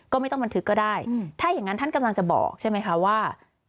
ก็ไม่ต้องบันทึกก็ได้ถ้าอย่างนั้นท่านกำลังจะบอกใช่ไหมคะว่า